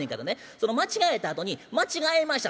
その間違えたあとに『間違えました。